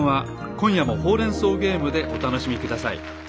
今夜もほうれんそうゲームでお楽しみ下さい。